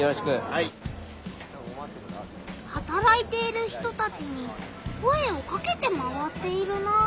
はたらいている人たちに声をかけて回っているなあ。